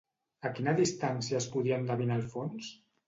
A quina distància es podia endevinar el fons?